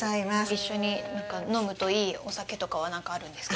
一緒に飲むといいお酒とかは何かあるんですか。